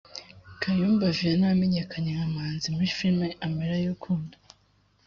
Kayumba Vianney wamenyekanye nka Manzi muri filime Amarira y’urukundo